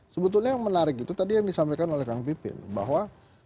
sebetulnya yang menarik itu tadi yang disampaikan oleh kang pipin bahwa